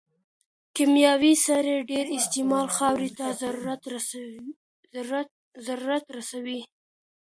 د کيمياوي سرې ډېر استعمال خاورې ته ضرر رسوي.